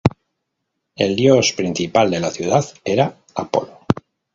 El dios principal de la ciudad era Apolo.